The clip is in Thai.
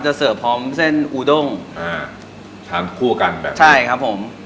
เสิร์ฟพร้อมเส้นอูด้งอ่าทานคู่กันแบบใช่ครับผม